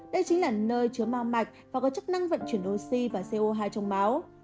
đây chính là nơi chứa ma mạch và có chức năng vận chuyển oxy và co hai trong máu